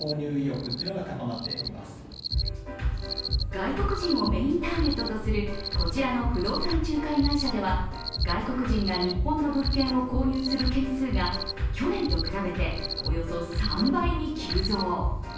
外国人をメインターゲットとするこちらの不動産仲介会社では外国人が日本の物件を購入する件数が去年と比べておよそ３倍に急増。